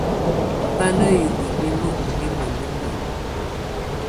Bà nà hiwǝ́ nimǝ́ ù mimǝ́ numǝ́.